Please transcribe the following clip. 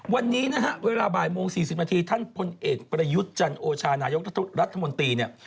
วันนี้นะฮะเวลาบ่ายโมง๔๐นาทีท่านพลเอกประยุทธ์จันโอชานายกรัฐมนตรีเนี่ย